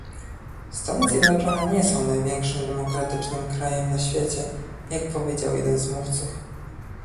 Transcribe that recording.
Stany Zjednoczone nie są największym demokratycznym krajem na świecie, jak powiedział jeden z mówców